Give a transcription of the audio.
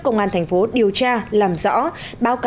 công an thành phố điều tra làm rõ